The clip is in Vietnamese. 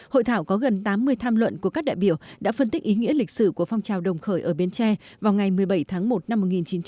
hội thảo có gần tám mươi tham luận của các đại biểu đã phân tích ý nghĩa lịch sử của phong trào đồng khởi ở bến tre vào ngày một mươi bảy tháng một năm một nghìn chín trăm bảy mươi